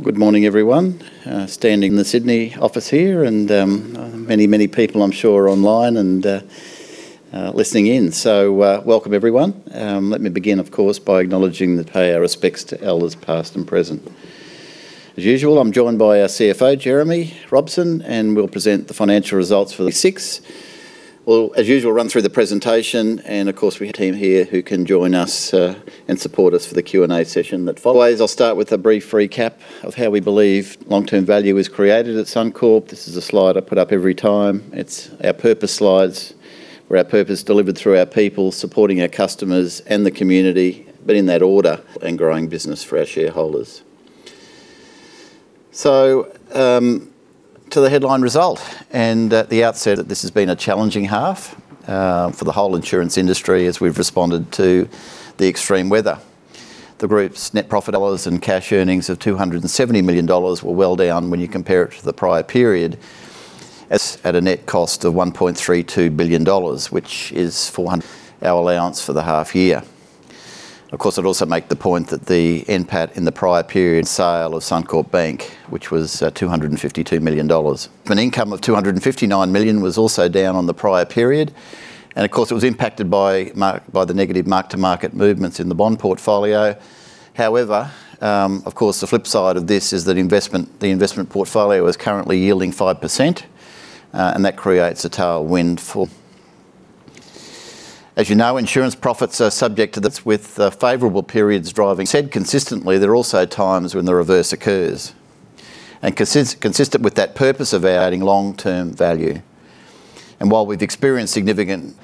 Well, good morning, everyone. Standing in the Sydney office here, and many, many people I'm sure are online and listening in. So, welcome everyone. Let me begin, of course, by acknowledging and pay our respects to elders, past and present. As usual, I'm joined by our CFO, Jeremy Robson, and we'll present the financial results for the sixth. We'll, as usual, run through the presentation, and of course, we have a team here who can join us and support us for the Q&A session that follows. I'll start with a brief recap of how we believe long-term value is created at Suncorp. This is a slide I put up every time. It's our purpose slides, where our purpose is delivered through our people, supporting our customers and the community, but in that order, and growing business for our shareholders. So, to the headline result, and at the outset, this has been a challenging half for the whole insurance industry as we've responded to the extreme weather. The group's net profit dollars and cash earnings of 270 million dollars were well down when you compare it to the prior period. As at a net cost of 1.32 billion dollars, which is 400 our allowance for the half year. Of course, I'd also make the point that the NPAT in the prior period sale of Suncorp Bank, which was, 252 million dollars. An income of 259 million was also down on the prior period, and of course, it was impacted by the negative mark-to-market movements in the bond portfolio. However, of course, the flip side of this is that investment, the investment portfolio is currently yielding 5%, and that creates a tailwind for, as you know, insurance profits are subject to this, with favorable periods driving. Said consistently, there are also times when the reverse occurs, and consistent with that purpose of adding long-term value. And while we've experienced significant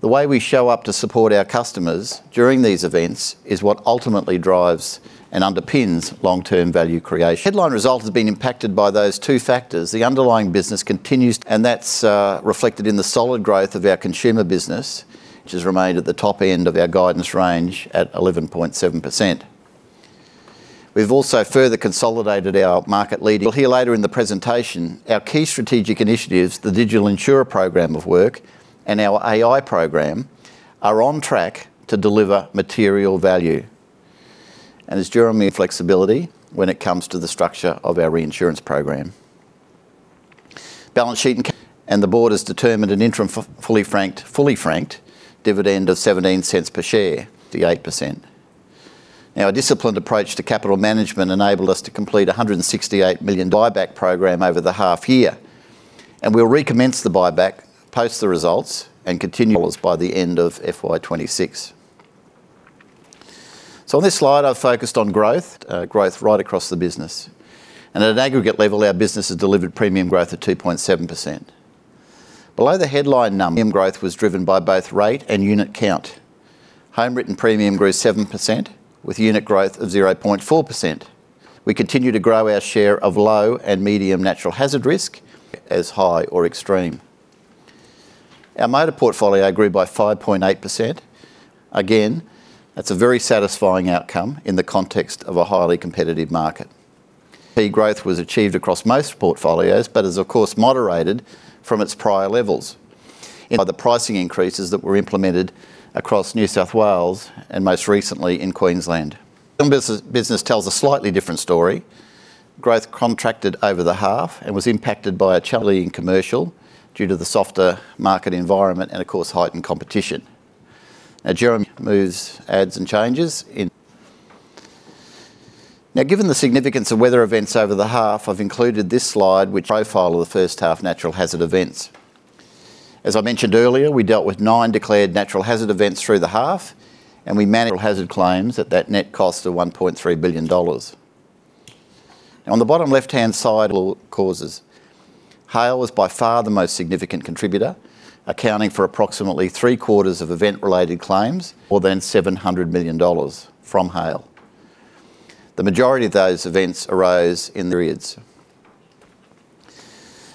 the way we show up to support our customers during these events is what ultimately drives and underpins long-term value creation. Headline result has been impacted by those two factors. The underlying business continues, and that's reflected in the solid growth of our consumer business, which has remained at the top end of our guidance range at 11.7%. We've also further consolidated our market leading. You'll hear later in the presentation, our key strategic initiatives, the Digital Insurer program of work and our AI program, are on track to deliver material value. And as Jeremy, flexibility when it comes to the structure of our reinsurance program. Balance sheet, and the board has determined an interim fully franked dividend of 0.17 per share, the 8%. Now, a disciplined approach to capital management enabled us to complete an 168 million buyback program over the half year, and we'll recommence the buyback, post the results, and continue by the end of FY 2026. So on this slide, I've focused on growth, growth right across the business. And at an aggregate level, our business has delivered premium growth of 2.7%. Below the headline number, growth was driven by both rate and unit count. Home written premium grew 7%, with unit growth of 0.4%. We continue to grow our share of low and medium natural hazard risk as high or extreme. Our motor portfolio grew by 5.8%. Again, that's a very satisfying outcome in the context of a highly competitive market. The growth was achieved across most portfolios, but is of course moderated from its prior levels by the pricing increases that were implemented across New South Wales and most recently in Queensland. Business, business tells a slightly different story. Growth contracted over the half and was impacted by a challenging commercial due to the softer market environment and of course, heightened competition. Now, given the significance of weather events over the half, I've included this slide which profiles the first half natural hazard events. As I mentioned earlier, we dealt with 9 declared natural hazard events through the half, and we manage hazard claims at that net cost of 1.3 billion dollars. On the bottom left-hand side causes. Hail was by far the most significant contributor, accounting for approximately three-quarters of event-related claims, more than 700 million dollars from hail. The majority of those events arose in the periods.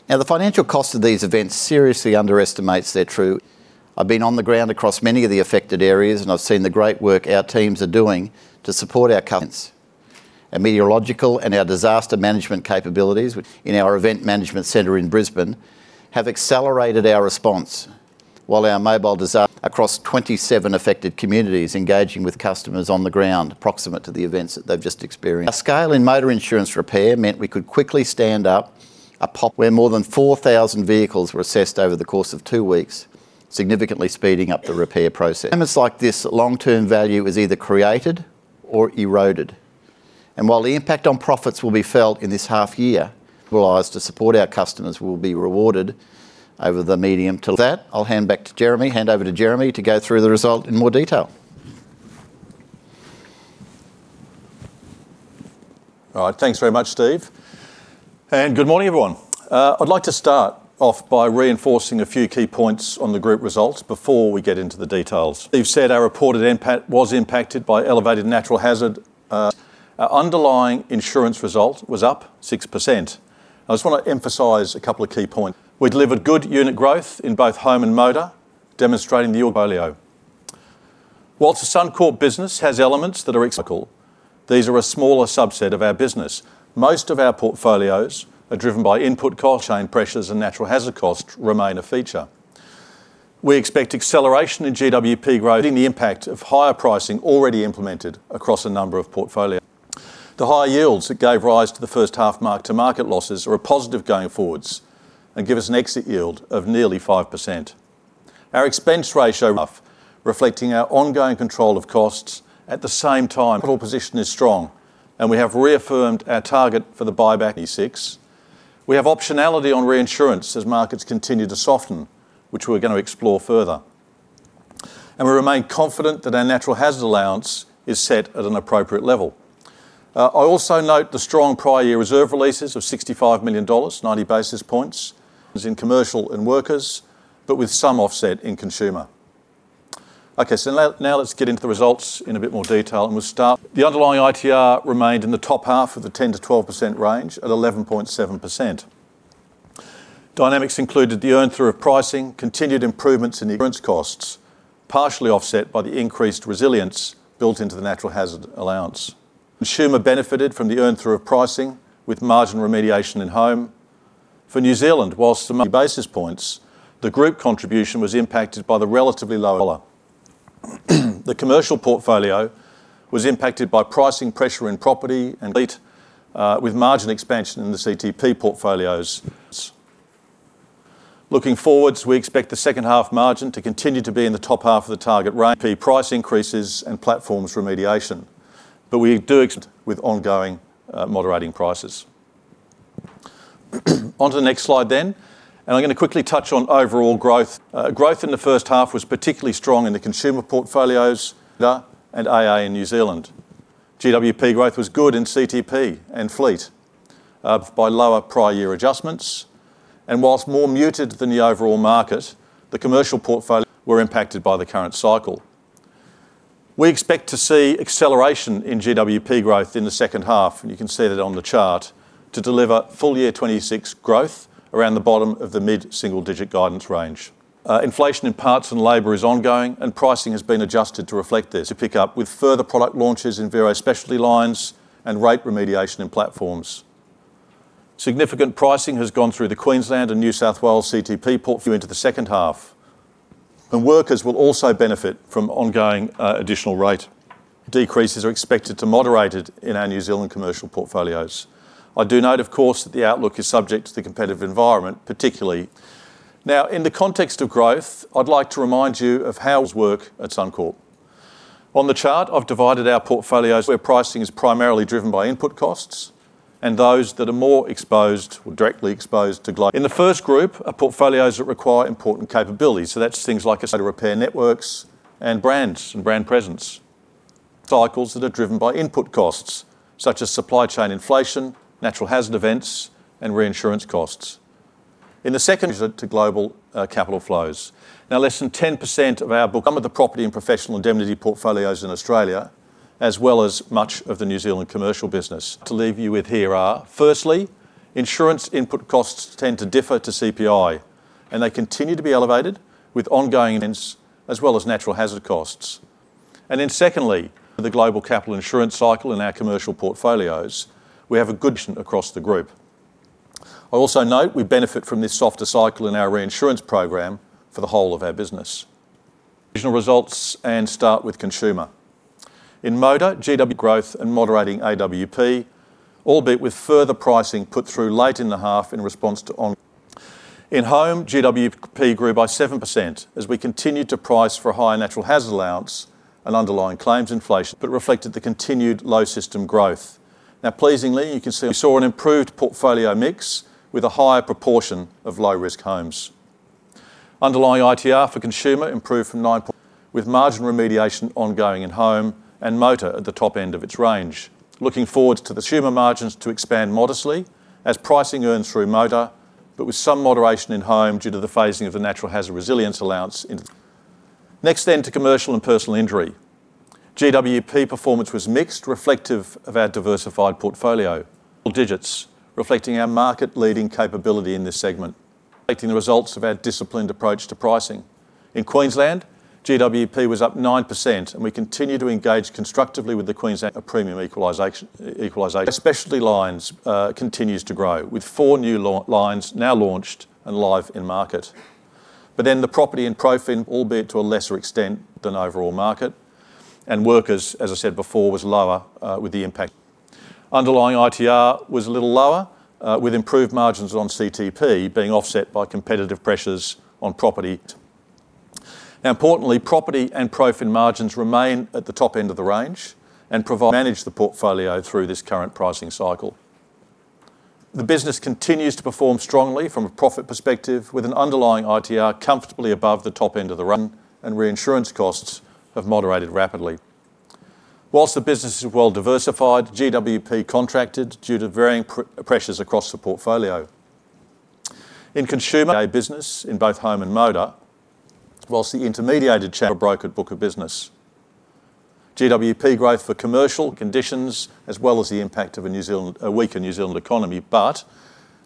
Now, the financial cost of these events seriously underestimates their true- I've been on the ground across many of the affected areas, and I've seen the great work our teams are doing to support our clients. Our meteorological and our disaster management capabilities, which in our event management center in Brisbane, have accelerated our response, while our mobile disa—across 27 affected communities, engaging with customers on the ground, approximate to the events that they've just experienced. At scale in motor insurance repair meant we could quickly stand up a pop, where more than 4,000 vehicles were assessed over the course of two weeks, significantly speeding up the repair process. It's like this long-term value is either created or eroded, and while the impact on profits will be felt in this half year, for us to support our customers will be rewarded over the medium. To that, I'll hand back to Jeremy, hand over to Jeremy to go through the result in more detail. All right, thanks very much, Steve. And good morning, everyone. I'd like to start off by reinforcing a few key points on the group results before we get into the details. Steve said our reported impact was impacted by elevated natural hazard. Our underlying insurance result was up 6%. I just want to emphasize a couple of key points. We delivered good unit growth in both home and motor, demonstrating the portfolio. While the Suncorp business has elements that are cyclical, these are a smaller subset of our business. Most of our portfolios are driven by input cost, chain pressures and natural hazard costs remain a feature. We expect acceleration in GWP growth in the impact of higher pricing already implemented across a number of portfolio. The higher yields that gave rise to the first half mark-to-market losses are a positive going forward, and give us an exit yield of nearly 5%. Our expense ratio, rough, reflecting our ongoing control of costs. At the same time, our position is strong, and we have reaffirmed our target for the buyback in 2026. We have optionality on reinsurance as markets continue to soften, which we're gonna explore further. We remain confident that our natural hazard allowance is set at an appropriate level. I also note the strong prior year reserve releases of 65 million dollars, 90 basis points, is in commercial and workers, but with some offset in consumer. Okay, so now, now let's get into the results in a bit more detail, and we'll start. The underlying ITR remained in the top half of the 10%-12% range at 11.7%. Dynamics included the earn through of pricing, continued improvements in the insurance costs, partially offset by the increased resilience built into the natural hazard allowance. Consumer benefited from the earn through of pricing with margin remediation in home. For New Zealand, whilst the monthly basis points, the group contribution was impacted by the relatively lower dollar. The commercial portfolio was impacted by pricing pressure in property and fleet, with margin expansion in the CTP portfolios. Looking forwards, we expect the second half margin to continue to be in the top half of the target range, P price increases and platforms remediation. But we do expect with ongoing, moderating prices. Onto the next slide then, and I'm gonna quickly touch on overall growth. Growth in the first half was particularly strong in the consumer portfolios and AAI in New Zealand. GWP growth was good in CTP and fleet by lower prior year adjustments, and whilst more muted than the overall market, the commercial portfolio were impacted by the current cycle. We expect to see acceleration in GWP growth in the second half, and you can see that on the chart, to deliver full year 26 growth around the bottom of the mid-single digit guidance range. Inflation in parts and labor is ongoing, and pricing has been adjusted to reflect this. To pick up with further product launches in various specialty lines and rate remediation in platforms. Significant pricing has gone through the Queensland and New South Wales CTP portfolio into the second half, and workers will also benefit from ongoing, additional rate. Decreases are expected to moderate in our New Zealand commercial portfolios. I do note, of course, that the outlook is subject to the competitive environment, particularly. Now, in the context of growth, I'd like to remind you of how we work at Suncorp. On the chart, I've divided our portfolios where pricing is primarily driven by input costs, and those that are more exposed or directly exposed to global. In the first group, are portfolios that require important capabilities. So that's things like a set of repair networks and brands and brand presence. Cycles that are driven by input costs, such as supply chain inflation, natural hazard events, and reinsurance costs. In the second, it's to global capital flows. Now, less than 10% of our book, some of the property and professional indemnity portfolios in Australia, as well as much of the New Zealand commercial business. To leave you with, here are, firstly, insurance input costs tend to differ to CPI, and they continue to be elevated with ongoing events as well as natural hazard costs. Then secondly, the global capital insurance cycle in our commercial portfolios, we have a good vision across the group. I also note we benefit from this softer cycle in our reinsurance program for the whole of our business. Additional results and start with consumer. In motor, GWP growth and moderating AWP, albeit with further pricing put through late in the half in response to on—in home, GWP grew by 7% as we continued to price for a higher natural hazard allowance and underlying claims inflation, but reflected the continued low system growth. Now, pleasingly, you can see we saw an improved portfolio mix with a higher proportion of low-risk homes. Underlying ITR for consumer improved from 9%, with margin remediation ongoing in home and motor at the top end of its range. Looking forward to the consumer margins to expand modestly as pricing earns through motor, but with some moderation in home due to the phasing of the natural hazard resilience allowance in. Next then to commercial and personal injury. GWP performance was mixed, reflective of our diversified portfolio. Agri, reflecting our market-leading capability in this segment, reflecting the results of our disciplined approach to pricing. In Queensland, GWP was up 9%, and we continue to engage constructively with the Queensland Premium Equalization. Specialty lines continues to grow, with four new product lines now launched and live in market. But then the property and professional indemnity, albeit to a lesser extent than overall market, and workers, as I said before, was lower, with the impact. Underlying ITR was a little lower, with improved margins on CTP being offset by competitive pressures on property. Now, importantly, property and ProFin margins remain at the top end of the range and provide manage the portfolio through this current pricing cycle. The business continues to perform strongly from a profit perspective, with an underlying ITR comfortably above the top end of the run, and reinsurance costs have moderated rapidly. Whilst the business is well diversified, GWP contracted due to varying pressures across the portfolio. In consumer, a business in both home and motor, whilst the intermediated channel broker book of business. GWP growth for commercial conditions, as well as the impact of a New Zealand—a weaker New Zealand economy, but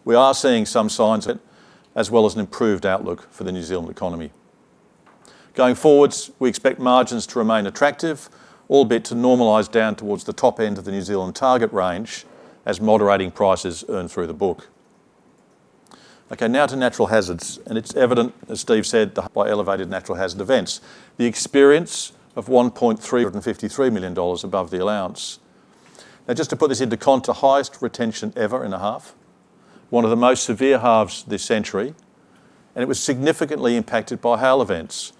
we are seeing some signs it, as well as an improved outlook for the New Zealand economy. Going forwards, we expect margins to remain attractive, albeit to normalize down towards the top end of the New Zealand target range as moderating prices earn through the book. Okay, now to natural hazards, and it's evident, as Steve said, thereby elevated natural hazard events. The experience of 153 million dollars above the allowance. Now, just to put this into context, the highest retention ever in a half, one of the most severe halves this century, and it was significantly impacted by hail events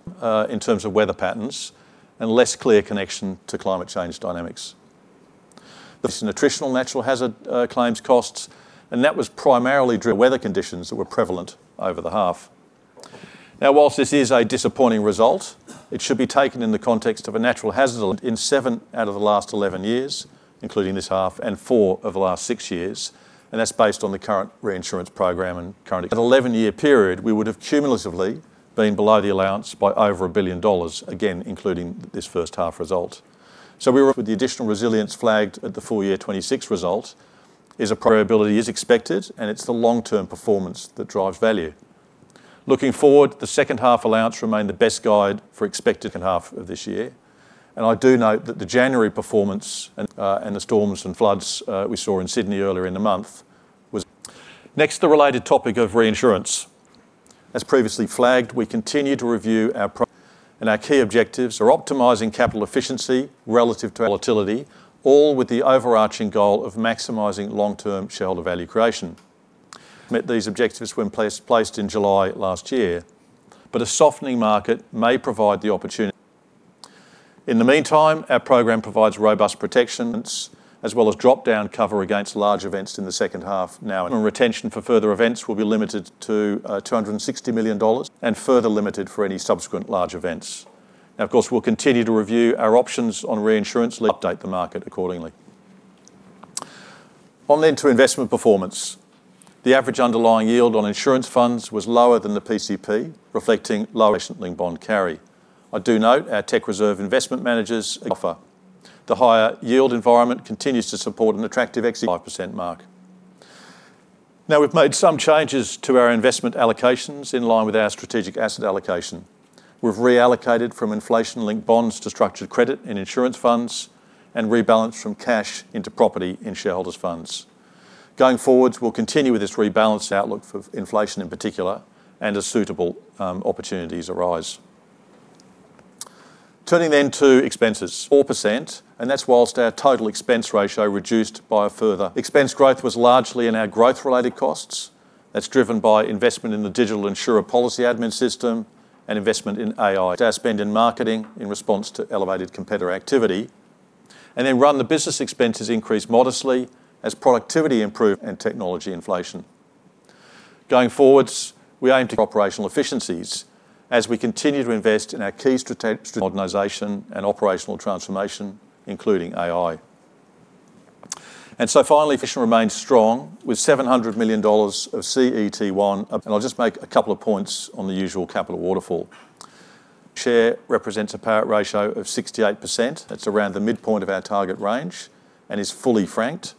in terms of weather patterns and less clear connection to climate change dynamics. This unprecedented natural hazard claims costs, and that was primarily driven by weather conditions that were prevalent over the half. Now, while this is a disappointing result, it should be taken in the context of a natural hazard in seven out of the last 11 years, including this half and four of the last six years, and that's based on the current reinsurance program and currently. An 11-year period, we would have cumulatively been below the allowance by over 1 billion dollars, again, including this first half result. So we work with the additional resilience flagged at the full year 2026 result is a probability is expected, and it's the long-term performance that drives value. Looking forward, the second half allowance remain the best guide for expected in half of this year. And I do note that the January performance and, and the storms and floods, we saw in Sydney earlier in the month was. Next, the related topic of reinsurance. As previously flagged, we continue to review our program, and our key objectives are optimizing capital efficiency relative to volatility, all with the overarching goal of maximizing long-term shareholder value creation. Met these objectives when placed in July last year, but a softening market may provide the opportunity. In the meantime, our program provides robust protections as well as drop-down cover against large events in the second half now, and retention for further events will be limited to 260 million dollars, and further limited for any subsequent large events. Now, of course, we'll continue to review our options on reinsurance, update the market accordingly. On then to investment performance. The average underlying yield on insurance funds was lower than the PCP, reflecting lower recent bond carry. I do note our tech reserve investment managers offer. The higher yield environment continues to support an attractive exit 5% mark. Now, we've made some changes to our investment allocations in line with our strategic asset allocation. We've reallocated from inflation-linked bonds to structured credit in insurance funds and rebalanced from cash into property in shareholders' funds. Going forward, we'll continue with this rebalanced outlook for inflation in particular, and as suitable, opportunities arise. Turning then to expenses, 4%, and that's whilst our total expense ratio reduced by a further. Expense growth was largely in our growth-related costs. That's driven by investment in the Digital Insurer policy admin system and investment in AI to spend in marketing in response to elevated competitor activity. And then run the business expenses increased modestly as productivity improved and technology inflation. Going forwards, we aim to operational efficiencies as we continue to invest in our key strategic organization and operational transformation, including AI. So finally, position remains strong, with 700 million dollars of CET1. I'll just make a couple of points on the usual capital waterfall. Share represents a payout ratio of 68%. That's around the midpoint of our target range and is fully franked.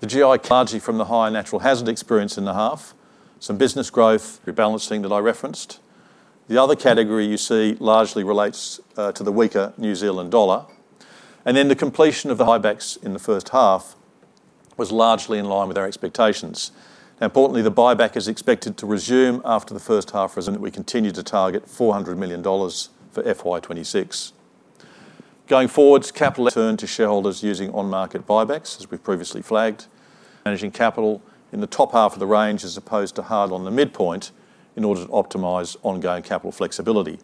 The GI, largely from the high natural hazard experience in the half, some business growth rebalancing that I referenced. The other category you see largely relates to the weaker New Zealand dollar, and then the completion of the buybacks in the first half was largely in line with our expectations. Now, importantly, the buyback is expected to resume after the first half results reason that we continue to target AUD 400 million for FY 2026. Going forward, capital return to shareholders using on-market buybacks, as we've previously flagged. Managing capital in the top half of the range as opposed to hard on the midpoint in order to optimize ongoing capital flexibility.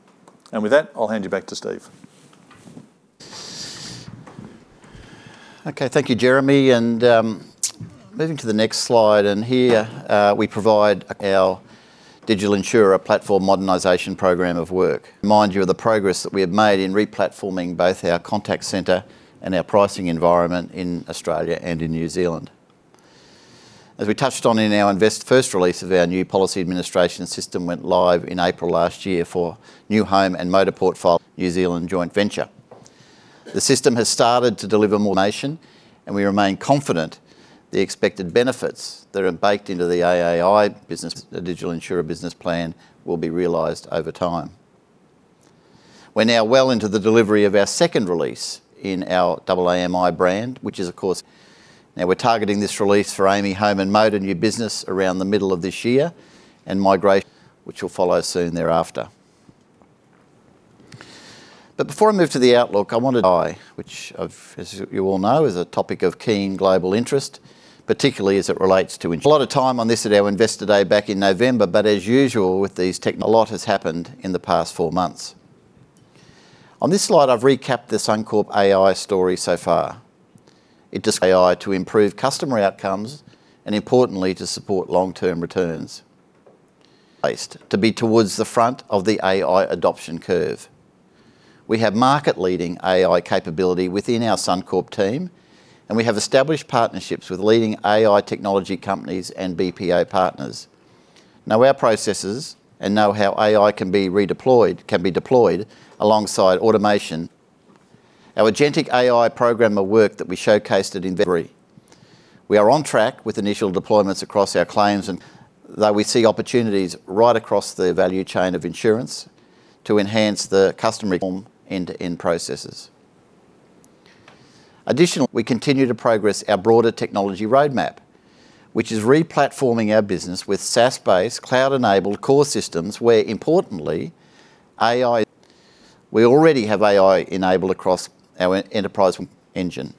With that, I'll hand you back to Steve. Okay, thank you, Jeremy. And, moving to the next slide, and here, we provide our Digital Insurer platform modernization program of work. Remind you of the progress that we have made in replatforming both our contact center and our pricing environment in Australia and in New Zealand. As we touched on in our investor, first release of our new policy administration system went live in April last year for new home and motor portfolio, New Zealand Joint Venture. The system has started to deliver more automation, and we remain confident the expected benefits that are baked into the AAI business, the Digital Insurer business plan, will be realized over time. We're now well into the delivery of our second release in our AAMI brand, which is, of course. Now, we're targeting this release for AAMI Home and Motor new business around the middle of this year and migrate, which will follow soon thereafter. But before I move to the outlook, I wanted to, which I've, as you all know, is a topic of keen global interest, particularly as it relates to a lot of time on this at our investor day back in November. But as usual, with these tech, a lot has happened in the past four months. On this slide, I've recapped the Suncorp AI story so far. It takes AI to improve customer outcomes and, importantly, to support long-term returns. Place to be towards the front of the AI adoption curve. We have market-leading AI capability within our Suncorp team, and we have established partnerships with leading AI technology companies and BPA partners. Now, our processes and know-how AI can be redeployed, can be deployed alongside automation. Our Agentic AI program of work that we showcased at in February. We are on track with initial deployments across our claims, and though we see opportunities right across the value chain of insurance to enhance the customer end-to-end processes. Additionally, we continue to progress our broader technology roadmap, which is re-platforming our business with SaaS-based, cloud-enabled core systems, where importantly, AI, we already have AI enabled across our enterprise engine.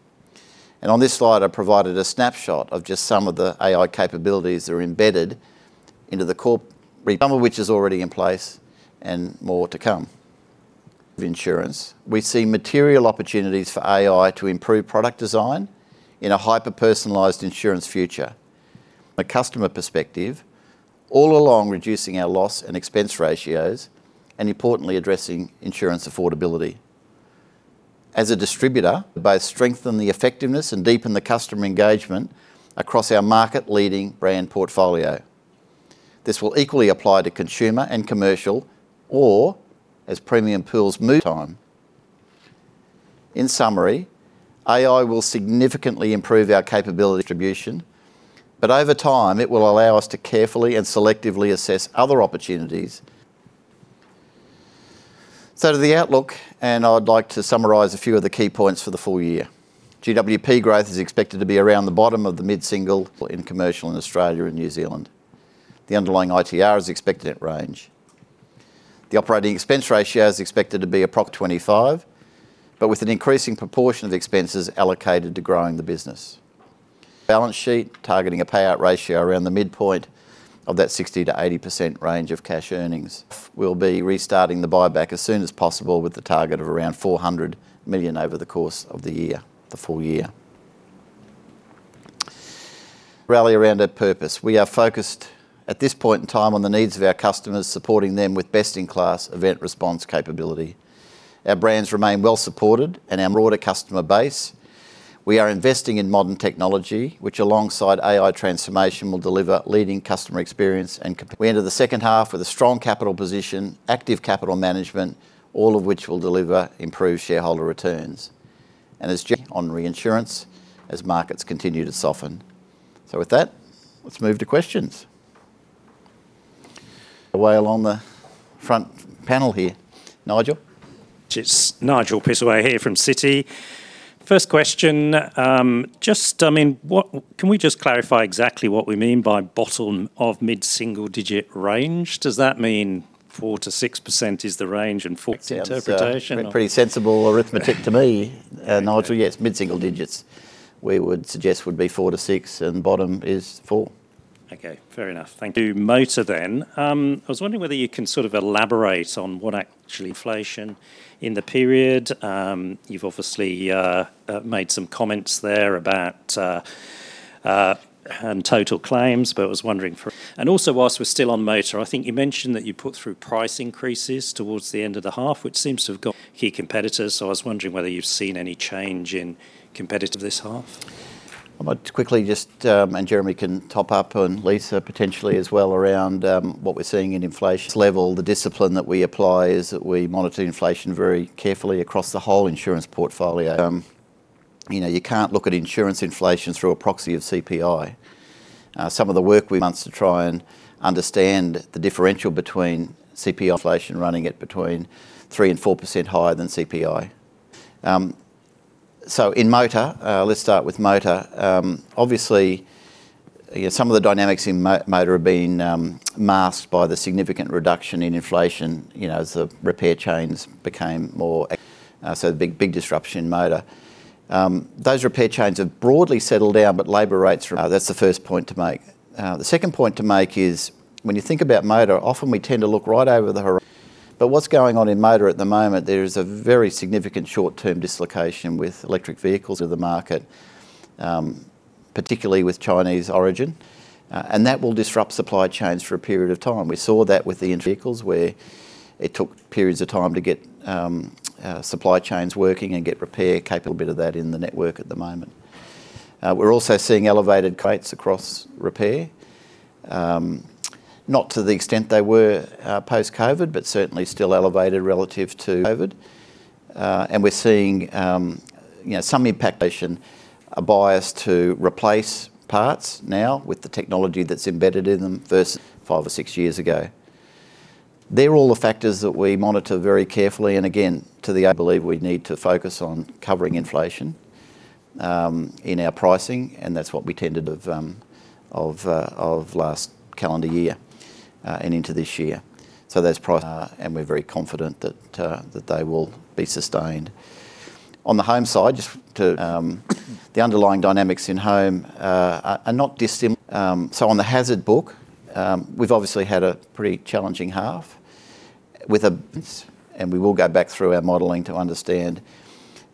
And on this slide, I provided a snapshot of just some of the AI capabilities that are embedded into the core, some of which is already in place and more to come. Of insurance, we see material opportunities for AI to improve product design in a hyper-personalized insurance future, a customer perspective, all along reducing our loss and expense ratios, and importantly, addressing insurance affordability. As a distributor, both strengthen the effectiveness and deepen the customer engagement across our market-leading brand portfolio. This will equally apply to consumer and commercial, or as premium pools move over time. In summary, AI will significantly improve our capability distribution, but over time, it will allow us to carefully and selectively assess other opportunities. So, to the outlook, and I'd like to summarize a few of the key points for the full year. GWP growth is expected to be around the bottom of the mid-single in commercial in Australia and New Zealand. The underlying ITR is expected at range. The operating expense ratio is expected to be approximately 25, but with an increasing proportion of the expenses allocated to growing the business. Balance sheet, targeting a payout ratio around the midpoint of that 60%-80% range of cash earnings. We'll be restarting the buyback as soon as possible with the target of around 400 million over the course of the year, the full year. Rally around our purpose. We are focused, at this point in time, on the needs of our customers, supporting them with best-in-class event response capability. Our brands remain well supported and our broader customer base. We are investing in modern technology, which alongside AI transformation, will deliver leading customer experience and cap. We enter the second half with a strong capital position, active capital management, all of which will deliver improved shareholder returns. And as we go on reinsurance, as markets continue to soften. So with that, let's move to questions. Okay, along the front panel here. Nigel? It's Nigel Pittaway here from Citi. First question, just, I mean, can we just clarify exactly what we mean by bottom of mid-single-digit range? Does that mean 4%-6% is the range and full interpretation? Pretty sensible arithmetic to me, Nigel. Yes, mid-single digits, we would suggest would be four to six, and bottom is four. Okay, fair enough. Thank you. Motor, then. I was wondering whether you can sort of elaborate on what actually inflation in the period. You've obviously made some comments there about and total claims, but was wondering for—and also, while we're still on motor, I think you mentioned that you put through price increases towards the end of the half, which seems to have got key competitors. So I was wondering whether you've seen any change in competitive this half. I might quickly just, and Jeremy can top up, and Lisa, potentially as well, around what we're seeing in inflation level. The discipline that we apply is that we monitor inflation very carefully across the whole insurance portfolio. You know, you can't look at insurance inflation through a proxy of CPI. Some of the work we wants to try and understand the differential between CPI inflation running at between 3% and 4% higher than CPI. So in motor, let's start with motor. Obviously, yeah, some of the dynamics in motor have been masked by the significant reduction in inflation, you know, as the repair chains became more, so big, big disruption in motor. Those repair chains have broadly settled down, but labor rates are—that's the first point to make. The second point to make is, when you think about motor, often we tend to. But what's going on in motor at the moment, there is a very significant short-term dislocation with electric vehicles in the market, particularly with Chinese origin, and that will disrupt supply chains for a period of time. We saw that with the vehicles where it took periods of time to get supply chains working and get repair capable bit of that in the network at the moment. We're also seeing elevated rates across repair, not to the extent they were post-COVID, but certainly still elevated relative to pre-COVID. And we're seeing, you know, some impact, a bias to replace parts now with the technology that's embedded in them versus five or six years ago. They're all the factors that we monitor very carefully, and again, I believe we need to focus on covering inflation in our pricing, and that's what we attended to last calendar year and into this year. So there's price, and we're very confident that they will be sustained. On the home side, just to the underlying dynamics in home are not dissimilar. So on the hazard book, we've obviously had a pretty challenging half with a and we will go back through our modeling to understand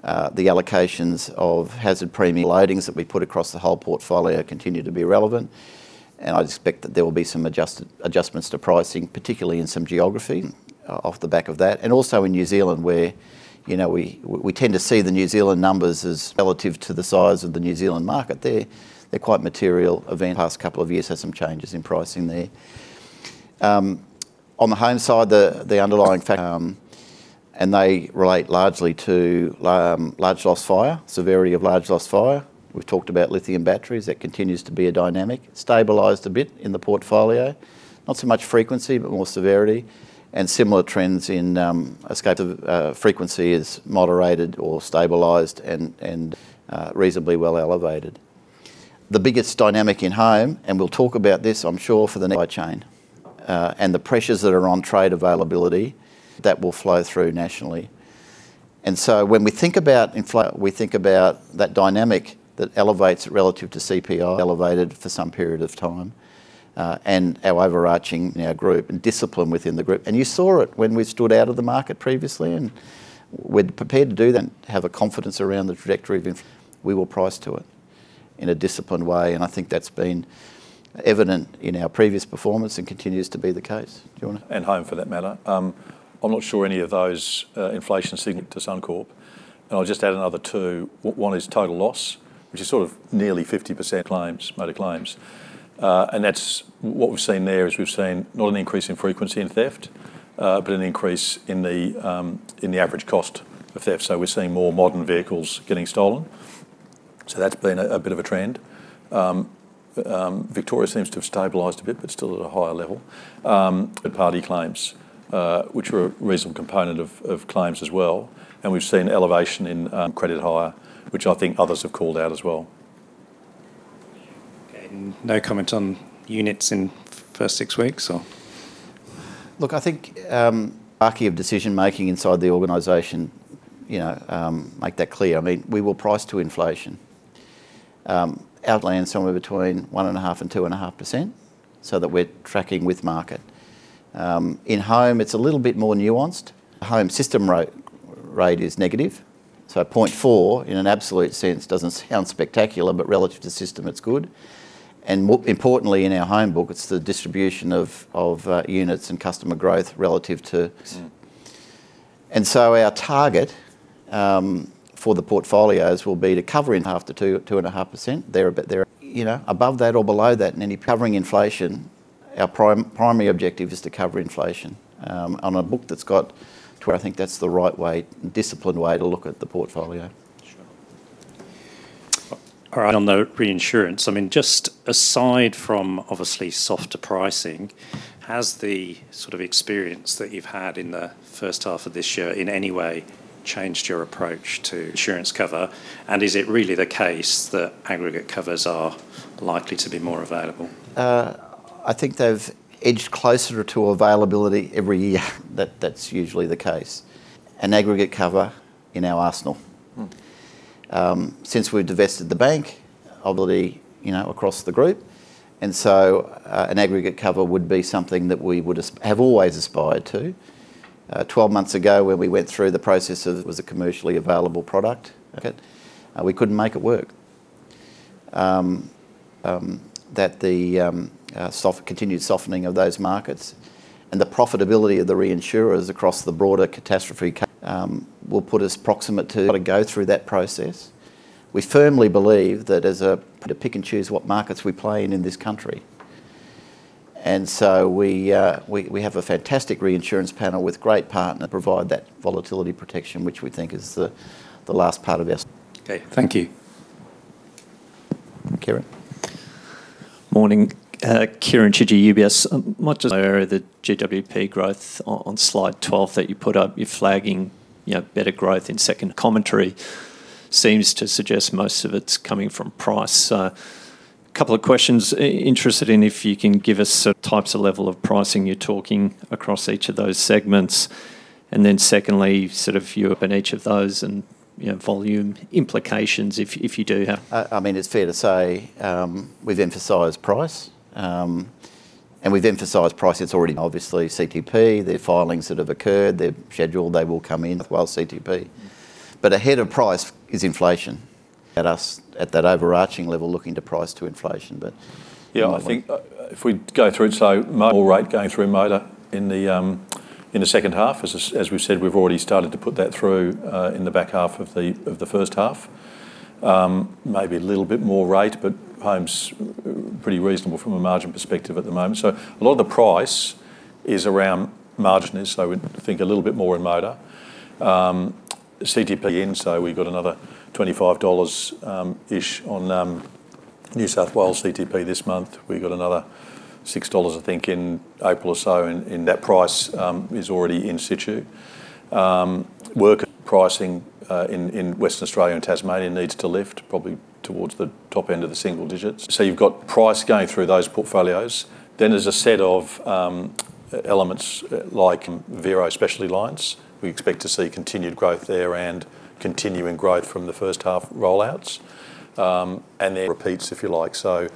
the allocations of hazard premium loadings that we put across the whole portfolio continue to be relevant. And I'd expect that there will be some adjustments to pricing, particularly in some geographies off the back of that. And also in New Zealand, where, you know, we tend to see the New Zealand numbers as relative to the size of the New Zealand market. They're quite material event. Last couple of years had some changes in pricing there. On the home side, the underlying factor, and they relate largely to large loss fire, severity of large loss fire. We've talked about lithium batteries, that continues to be a dynamic. Stabilized a bit in the portfolio, not so much frequency, but more severity, and similar trends in a scope of frequency is moderated or stabilized and reasonably well elevated. The biggest dynamic in home, and we'll talk about this, I'm sure, for the next chain, and the pressures that are on trade availability, that will flow through nationally. So when we think about inflation, we think about that dynamic that elevates relative to CPI, elevated for some period of time, and our overarching discipline in our group and discipline within the group. You saw it when we stood out of the market previously, and we're prepared to do that, have a confidence around the trajectory of inflation. We will price to it in a disciplined way, and I think that's been evident in our previous performance and continues to be the case. Do you want to? And home, for that matter. I'm not sure any of those inflation signal to Suncorp, and I'll just add another two. One is total loss, which is sort of nearly 50% claims, motor claims. And that's what we've seen there is we've seen not an increase in frequency in theft, but an increase in the average cost of theft. So we're seeing more modern vehicles getting stolen, so that's been a bit of a trend. Victoria seems to have stabilized a bit, but still at a higher level, third party claims, which were a reasonable component of claims as well. And we've seen elevation in credit hire, which I think others have called out as well. Okay, and no comment on units in first six weeks, or? Look, I think, arc of decision making inside the organization, you know, make that clear. I mean, we will price to inflation. Outlook is somewhere between 1.5%-2.5%, so that we're tracking with market. In home, it's a little bit more nuanced. Home system rate is negative, so -0.4, in an absolute sense, doesn't sound spectacular, but relative to system, it's good. And most importantly, in our home book, it's the distribution of, of, units and customer growth relative to our target for the portfolios will be to cover in half the 2%-2.5%. They're a bit, you know, above that or below that, in any covering inflation, our primary objective is to cover inflation on a book that's got to where I think that's the right way, disciplined way to look at the portfolio. Sure. All right, on the reinsurance, I mean, just aside from obviously softer pricing, has the sort of experience that you've had in the first half of this year in any way changed your approach to insurance cover? And is it really the case that aggregate covers are likely to be more available? I think they've edged closer to availability every year. That, that's usually the case. An aggregate cover in our arsenal. Since we've divested the bank, obviously, you know, across the group, and so, an aggregate cover would be something that we would have always aspired to. 12 months ago, when we went through the process of it, it was a commercially available product, okay? And we couldn't make it work. That the continued softening of those markets and the profitability of the reinsurers across the broader catastrophe will put us proximate to, to go through that process. We firmly believe that as a pick and choose what markets we play in, in this country. And so we have a fantastic reinsurance panel with great partner, provide that volatility protection, which we think is the last part of this. Okay, thank you. Kieran. Morning. Kieran Chidgey, UBS. Much as the GWP growth on slide 12 that you put up, you're flagging, you know, better growth in second commentary, seems to suggest most of it's coming from price. So couple of questions. Interested in, if you can give us sort of types of level of pricing you're talking across each of those segments. And then secondly, sort of view up in each of those and, you know, volume implications, if you do have. I mean, it's fair to say, we've emphasized price, and we've emphasized price that's already, obviously, CTP, the filings that have occurred, the schedule, they will come in while CTP. But ahead of price is inflation at us, at that overarching level, looking to price to inflation, but— Yeah, I think, if we go through, so more rate going through motor in the second half. As we've said, we've already started to put that through in the back half of the first half. Maybe a little bit more rate, but home's pretty reasonable from a margin perspective at the moment. So a lot of the price is around margin, so I would think a little bit more in motor. CTP in, so we've got another 25-ish dollars on New South Wales CTP this month. We got another 6 dollars, I think, in April or so, and that price is already in situ. Work pricing in Western Australia and Tasmania needs to lift, probably towards the top end of the single digits. So you've got price going through those portfolios. Then there's a set of, elements, like Vero Specialty Lines. We expect to see continued growth there and continuing growth from the first half rollouts, and then repeats, if you like. So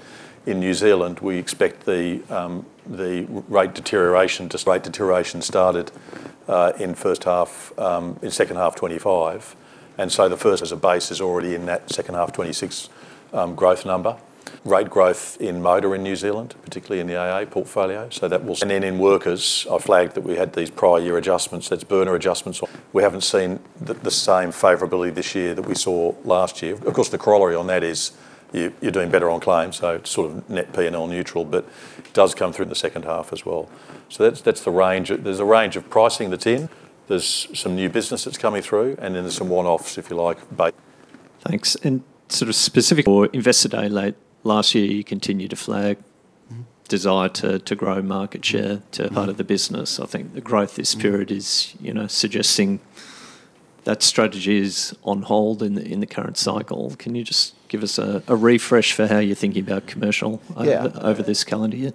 in New Zealand, we expect the, the rate deterioration, just rate deterioration started, in first half, in second half 2025, and so the first as a base is already in that second half 2026, growth number rate growth in motor in New Zealand, particularly in the AA portfolio. So that will—and then in workers, I flagged that we had these prior year adjustments, that's IBNR adjustments. We haven't seen the same favorability this year that we saw last year. Of course, the corollary on that is you, you're doing better on claims, so sort of net PNL neutral, but does come through in the second half as well. So that's the range. There's a range of pricing that's in, there's some new business that's coming through, and then there's some one-offs, if you like, but. Thanks. And sort of specific for Investor Day late last year, you continued to flag desire to grow market share to part of the business. I think the growth this period is, you know, suggesting that strategy is on hold in the current cycle. Can you just give us a refresh for how you're thinking about commercial over this calendar year?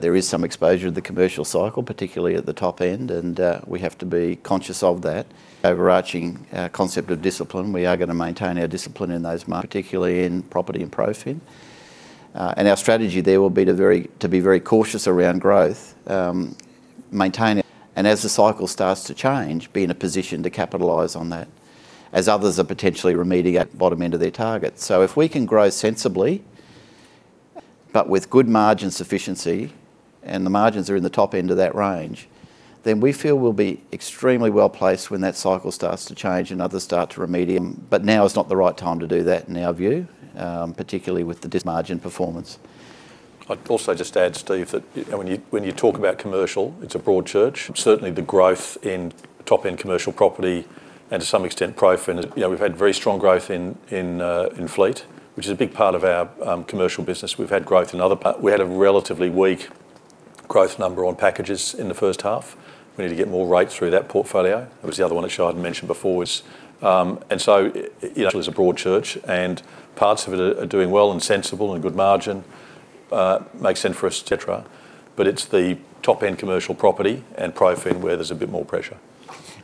There is some exposure to the commercial cycle, particularly at the top end, and we have to be conscious of that. Overarching concept of discipline, we are going to maintain our discipline in those markets, particularly in property and ProFin. And our strategy there will be to be very cautious around growth. And as the cycle starts to change, be in a position to capitalize on that, as others are potentially remediating at the bottom end of their target. So if we can grow sensibly, but with good margin sufficiency, and the margins are in the top end of that range, then we feel we'll be extremely well-placed when that cycle starts to change and others start to remediate. But now is not the right time to do that, in our view, particularly with the this margin performance. I'd also just add, Steve, that, when you, when you talk about commercial, it's a broad church. Certainly, the growth in top-end commercial property and to some extent, ProFin, is, you know, we've had very strong growth in, in, in fleet, which is a big part of our, commercial business. We've had growth in other part—we had a relatively weak growth number on packages in the first half. We need to get more rate through that portfolio. That was the other one that Shane had mentioned before was—and so, you know, it's a broad church, and parts of it are, are doing well and sensible and good margin, makes sense for us, et cetera. But it's the top-end commercial property and ProFin where there's a bit more pressure.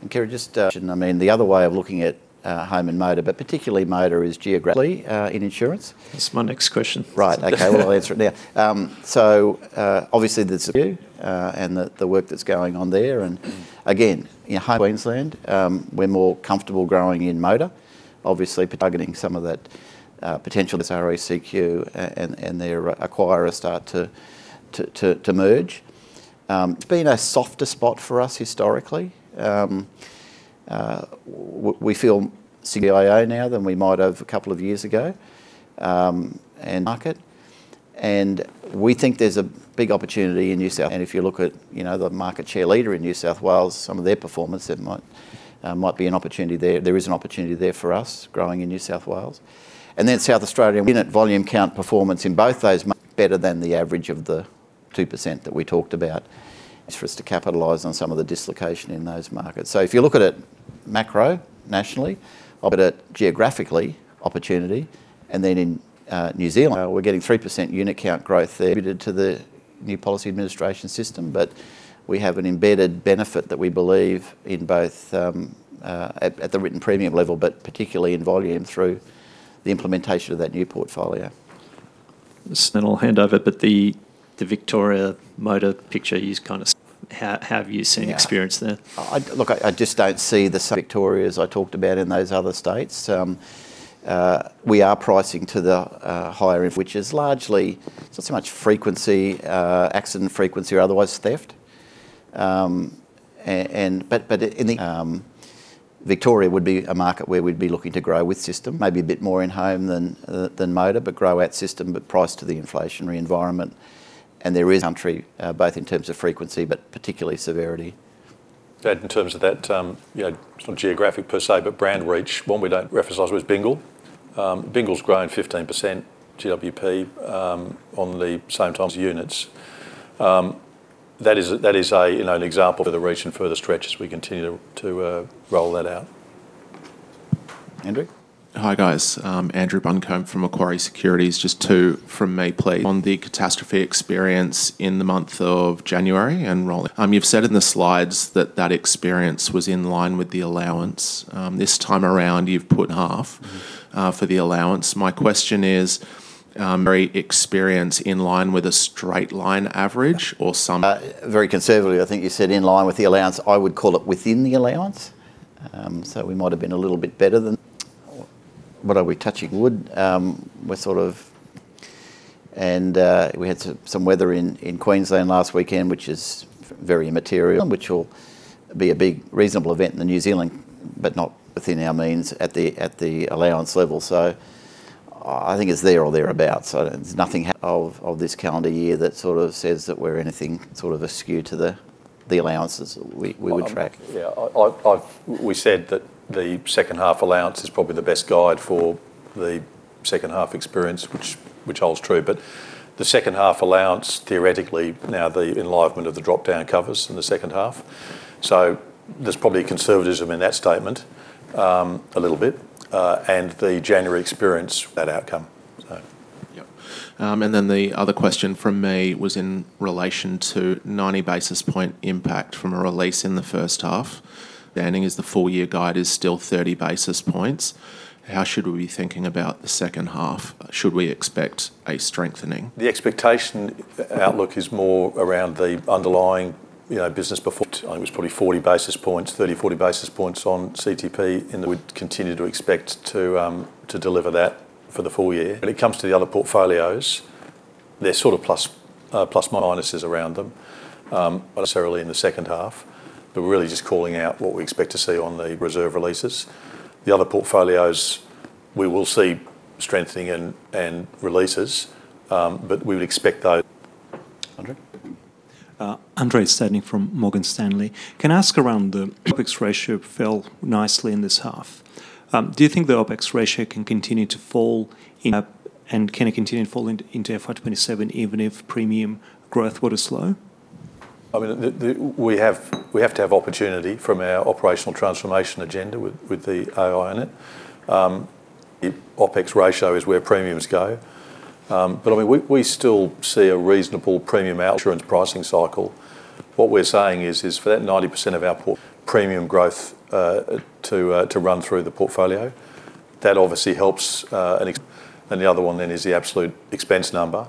Kerry, just, I mean, the other way of looking at home and motor, but particularly motor, is geographically in insurance. That's my next question. Right. Okay, well, I'll answer it now. So, obviously, there's a view, and the work that's going on there, and again, in Queensland, we're more comfortable growing in motor. Obviously, targeting some of that potential as RACQ and their acquirers start to merge. It's been a softer spot for us historically. We feel CIA now than we might have a couple of years ago, and market. And we think there's a big opportunity in New South. And if you look at, you know, the market share leader in New South Wales, some of their performance, there might be an opportunity there. There is an opportunity there for us, growing in New South Wales. Then South Australia, unit volume count performance in both those markets better than the average of the 2% that we talked about. As for us to capitalize on some of the dislocation in those markets. So if you look at it macro, nationally, but at geographically, opportunity, and then in New Zealand, we're getting 3% unit count growth there. Due to the new policy administration system, but we have an embedded benefit that we believe in both at the written premium level, but particularly in volume through the implementation of that new portfolio. Then I'll hand over, but the Victoria motor picture, you've kind of—how have you seen experience there? Yeah. Look, I just don't see the same Victoria as I talked about in those other states. We are pricing to the higher end, which is largely, it's not so much frequency, accident frequency or otherwise theft. And, but in Victoria would be a market where we'd be looking to grow with system, maybe a bit more in home than motor, but grow out system, but price to the inflationary environment. And there is country, both in terms of frequency, but particularly severity. That, in terms of that, you know, it's not geographic per se, but brand reach, one we don't reference as was Bingle. Bingle's grown 15% GWP, on the same times units. That is, that is a, you know, an example for the reach and further stretch as we continue to, to, roll that out. Andrew? Hi, guys, Andrew Buncombe from Macquarie Securities. Just two from me, please. On the catastrophe experience in the month of January and rolling, you've said in the slides that that experience was in line with the allowance. This time around, you've put half for the allowance. My question is, very experience in line with a straight line average or some- Very conservatively, I think you said in line with the allowance. I would call it within the allowance. So we might have been a little bit better than—what are we touching wood? We're sort of—we had some weather in Queensland last weekend, which is very immaterial, which will be a big reasonable event in New Zealand, but not within our means at the allowance level. So I think it's there or thereabout. So there's nothing of this calendar year that sort of says that we're anything sort of askew to the allowances we would track. Yeah, I've, we said that the second half allowance is probably the best guide for the second half experience, which holds true. But the second half allowance, theoretically, now the enlivenment of the dropdown covers in the second half. So there's probably conservatism in that statement, a little bit, and the January experience, that outcome, so. Yep. And then the other question from me was in relation to 90 basis point impact from a release in the first half. The ending is the full year guide is still 30 basis points. How should we be thinking about the second half? Should we expect a strengthening? The expectation outlook is more around the underlying, you know, business performance. I think it was probably 40 basis points, 30-40 basis points on CTP, and we would continue to expect to deliver that for the full year. When it comes to the other portfolios-there's sort of plus, plus minuses around them, necessarily in the second half. But we're really just calling out what we expect to see on the reserve releases. The other portfolios, we will see strengthening and releases, but we would expect those. Andrei? Andrei Stadnik from Morgan Stanley. Can I ask around the OpEx ratio fell nicely in this half. Do you think the OpEx ratio can continue to fall in, and can it continue to fall into FY 2027, even if premium growth were to slow? I mean, we have to have opportunity from our operational transformation agenda with the AI in it. The OpEx ratio is where premiums go. But I mean, we still see a reasonable premium outlook insurance pricing cycle. What we're saying is for that 90% of our portfolio premium growth to run through the portfolio, that obviously helps. And the other one then is the absolute expense number.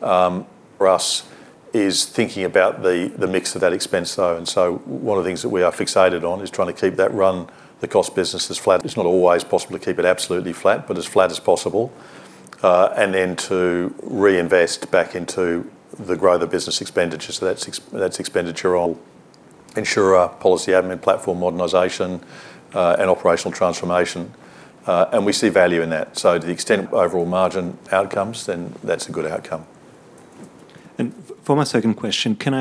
For us, is thinking about the mix of that expense, though. And so one of the things that we are fixated on is trying to keep that run-rate, the cost base as flat. It's not always possible to keep it absolutely flat, but as flat as possible. And then to reinvest back into the grow the business expenditures. So that's expenditure on insurer policy, admin platform modernization, and operational transformation. And we see value in that. So to the extent of overall margin outcomes, then that's a good outcome. For my second question, can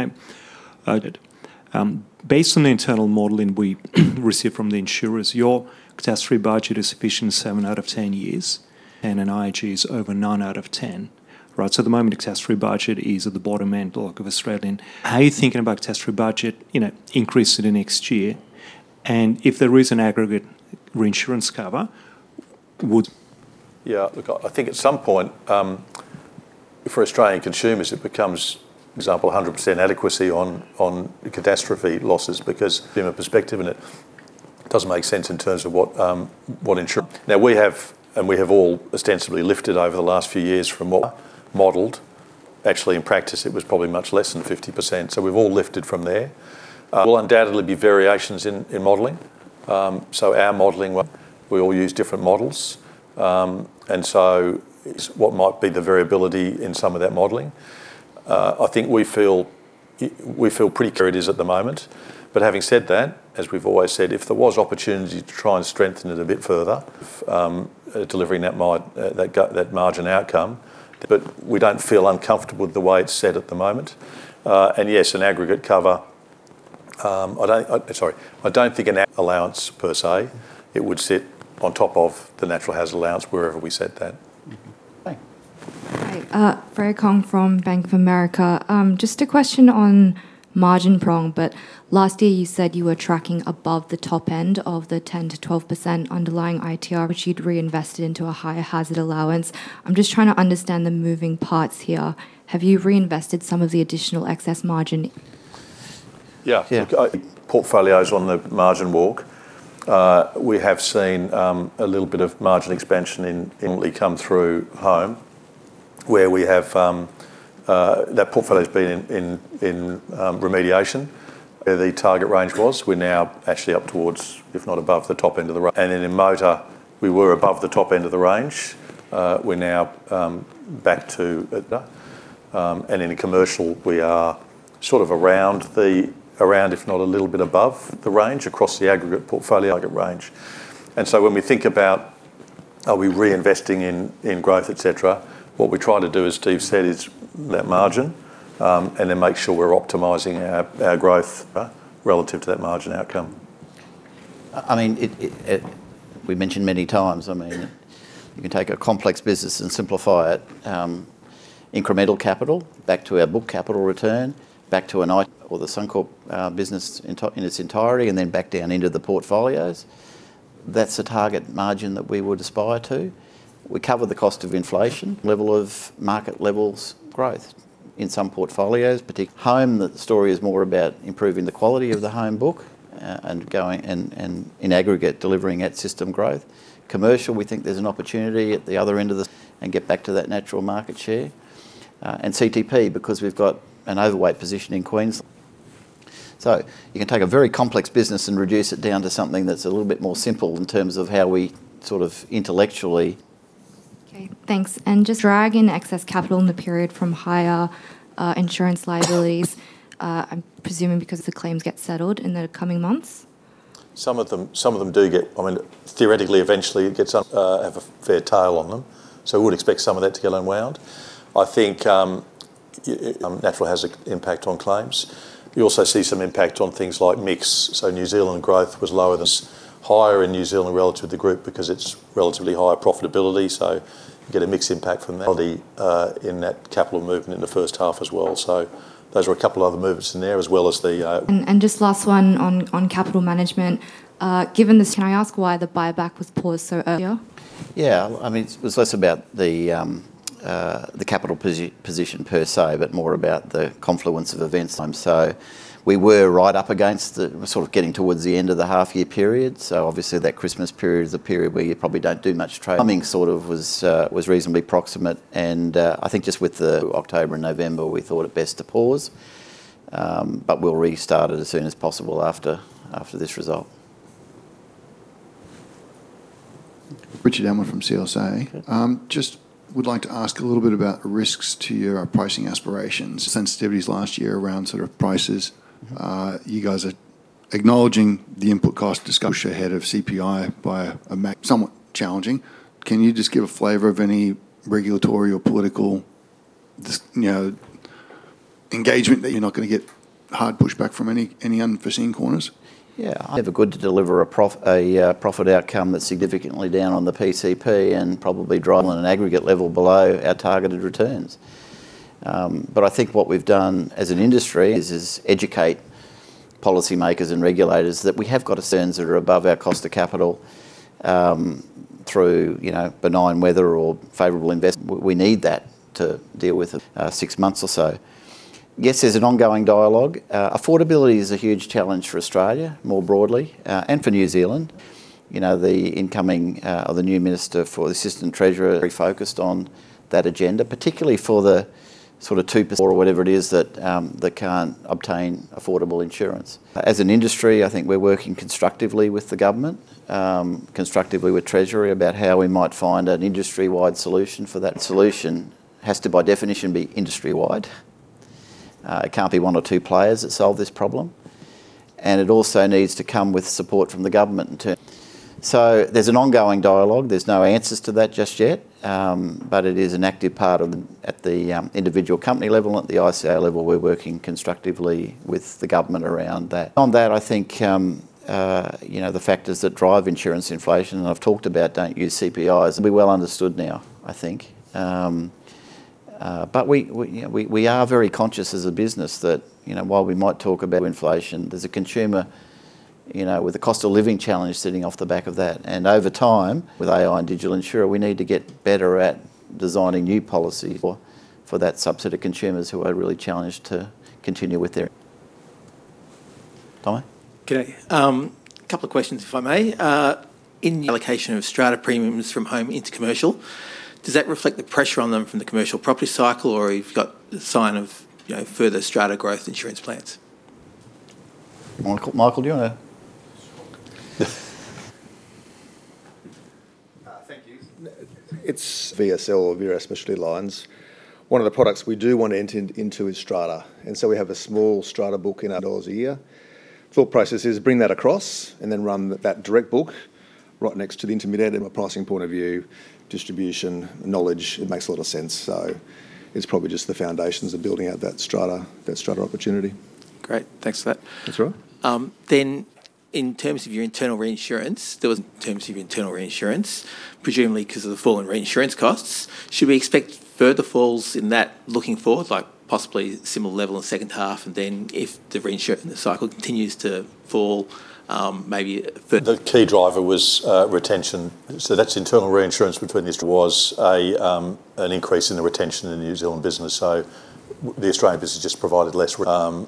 I, based on the internal modeling we received from the insurers, your catastrophe budget is sufficient seven out of 10 years, and in IAG is over nine out of 10, right? So at the moment, catastrophe budget is at the bottom end block of Australian. How are you thinking about catastrophe budget, you know, increase in the next year? And if there is an aggregate reinsurance cover, would— Yeah, look, I think at some point, for Australian consumers, it becomes, example, 100% adequacy on, on catastrophe losses, because from a perspective, and it doesn't make sense in terms of what, what insurer. Now, we have, and we have all ostensibly lifted over the last few years from what modeled. Actually, in practice, it was probably much less than 50%, so we've all lifted from there. Will undoubtedly be variations in modeling. So our modeling, we all use different models. And so it's what might be the variability in some of that modeling. I think we feel pretty sure it is at the moment. But having said that, as we've always said, if there was opportunity to try and strengthen it a bit further, delivering that margin outcome, but we don't feel uncomfortable with the way it's set at the moment. And yes, in aggregate cover, I don't think an allowance per se, it would sit on top of the natural hazard allowance, wherever we set that. Mm-hmm. Thank you. Hi, Vera Kong from Bank of America. Just a question on margin prong, but last year, you said you were tracking above the top end of the 10%-12% underlying ITR, which you'd reinvested into a higher hazard allowance. I'm just trying to understand the moving parts here. Have you reinvested some of the additional excess margin? Yeah. Yeah. Portfolios on the margin walk, we have seen a little bit of margin expansion in come through Home, where we have that portfolio's been in remediation, where the target range was. We're now actually up towards, if not above, the top end of the—and then in Motor, we were above the top end of the range. We're now back to and in the Commercial, we are sort of around the range, if not a little bit above the range, across the aggregate portfolio range. And so when we think about are we reinvesting in growth, et cetera, what we're trying to do, as Steve said, is that margin and then make sure we're optimizing our growth relative to that margin outcome. We mentioned many times, I mean, you can take a complex business and simplify it. Incremental capital, back to our book capital return, back to an I or the Suncorp business in its entirety, and then back down into the portfolios. That's the target margin that we would aspire to. We cover the cost of inflation, level of market levels growth in some portfolios, Home, the story is more about improving the quality of the Home book, and going, and in aggregate, delivering at system growth. Commercial, we think there's an opportunity at the other end of this and get back to that natural market share. And CTP, because we've got an overweight position in Queensland. So you can take a very complex business and reduce it down to something that's a little bit more simple in terms of how we sort of intellectually. Okay, thanks. Just drag in excess capital in the period from higher insurance liabilities. I'm presuming because the claims get settled in the coming months? Some of them do get, I mean, theoretically, eventually, it gets have a fair tail on them. So we would expect some of that to get unwound. I think natural has an impact on claims. You also see some impact on things like mix. So New Zealand growth was lower than higher in New Zealand relative to the group because it's relatively higher profitability, so you get a mix impact from that. Probably in that capital movement in the first half as well. So those are a couple other movements in there, as well as the, uh... And just last one on capital management. Given this, can I ask why the buyback was paused so earlier? Yeah, I mean, it was less about the capital position per se, but more about the confluence of events. So we were right up against, sort of getting towards the end of the half-year period. So obviously, that Christmas period is a period where you probably don't do much trading. Coming, sort of, was reasonably proximate, and I think just with the October and November, we thought it best to pause. But we'll restart it as soon as possible after this result. Richard Elmer from CSA. Just would like to ask a little bit about risks to your pricing aspirations. Sensitivities last year around sort of prices, you guys are acknowledging the input cost discussion ahead of CPI somewhat challenging. Can you just give a flavor of any regulatory or political, you know, engagement that you're not gonna get hard pushback from any, any unforeseen corners? Yeah. Ever good to deliver a profit outcome that's significantly down on the PCP and probably drawing on an aggregate level below our targeted returns. But I think what we've done as an industry is educate policymakers and regulators that we have got returns that are above our cost of capital through, you know, benign weather or favorable investment. We need that to deal with six months or so. Yes, there's an ongoing dialogue. Affordability is a huge challenge for Australia, more broadly, and for New Zealand. You know, the incoming or the new minister for the Assistant Treasurer are very focused on that agenda, particularly for the sort of 2% or whatever it is that can't obtain affordable insurance. As an industry, I think we're working constructively with the government, constructively with Treasury, about how we might find an industry-wide solution for that. Solution has to, by definition, be industry-wide. It can't be one or two players that solve this problem, and it also needs to come with support from the government to—so there's an ongoing dialogue. There's no answers to that just yet, but it is an active part of the individual company level and at the ICA level, we're working constructively with the government around that. On that, I think, you know, the factors that drive insurance inflation, and I've talked about, don't use CPIs, will be well understood now, I think. But we are very conscious as a business that, you know, while we might talk about inflation, there's a consumer, you know, with the cost of living challenge sitting off the back of that, and over time, with AI and Digital Insurer, we need to get better at designing new policy for that subset of consumers who are really challenged to continue with their. Tommy? Okay, a couple of questions, if I may. In the allocation of strata premiums from home into commercial, does that reflect the pressure on them from the commercial property cycle, or you've got the sign of, you know, further strata growth insurance plans? Michael, Michael, do you wanna- Sure. Thank you. It's VSL or Vero Specialty Lines. One of the products we do want to enter into is strata, and so we have a small strata book in our dollars a year. Thought process is bring that across and then run that direct book right next to the intermediary. From a pricing point of view, distribution, knowledge, it makes a lot of sense, so it's probably just the foundations of building out that strata, that strata opportunity. Great. Thanks for that. That's all right. Then, in terms of your internal reinsurance, presumably 'cause of the fall in reinsurance costs, should we expect further falls in that looking forward, like possibly similar level in the second half, and then if the reinsurance cycle continues to fall, maybe fur- The key driver was retention. So that's internal reinsurance between this. There was an increase in the retention in the New Zealand business, so the Australian business just provided less return,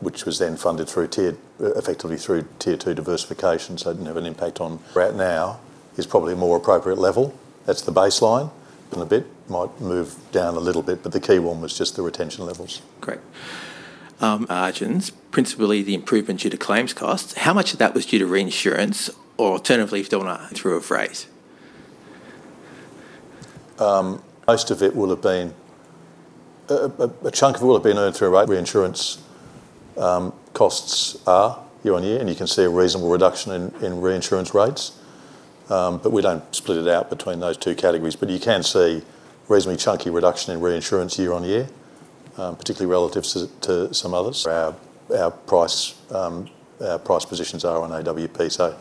which was then funded through tier, effectively through Tier Two diversification, so it didn't have an impact on—right now is probably a more appropriate level. That's the baseline, and a bit might move down a little bit, but the key one was just the retention levels. Great. Margins, principally the improvement due to claims costs, how much of that was due to reinsurance? Or alternatively, if you want to throw a phrase. Most of it will have been a chunk of it will have been earned through a rate reinsurance. Costs are year-on-year, and you can see a reasonable reduction in reinsurance rates. But we don't split it out between those two categories. But you can see reasonably chunky reduction in reinsurance year-on-year, particularly relative to some others. Our price positions are on AWP, so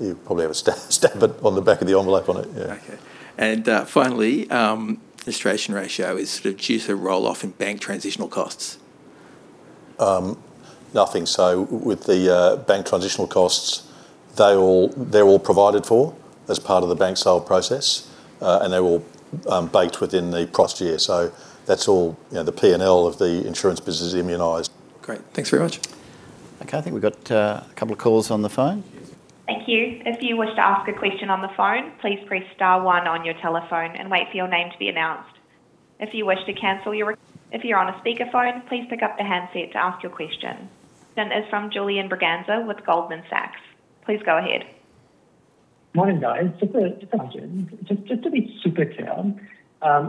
you probably have a stab at it on the back of the envelope on it. Yeah. Okay. And, finally, illustration ratio is sort of due to roll off in bank transitional costs. Nothing. So with the bank transitional costs, they all, they're all provided for as part of the bank sale process, and they're all baked within the cross year. So that's all, you know, the PNL of the insurance business is immunized. Great. Thanks very much. Okay, I think we've got a couple of calls on the phone. Thank you. If you wish to ask a question on the phone, please press star one on your telephone and wait for your name to be announced. If you're on a speakerphone, please pick up the handset to ask your question. The next is from Julian Braganza with Goldman Sachs. Please go ahead. Morning, guys. Just to be super clear,